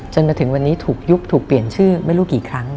จนถึงวันนี้ถูกยุบถูกเปลี่ยนชื่อไม่รู้กี่ครั้ง